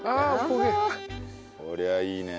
こりゃあいいね。